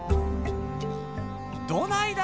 どないだ？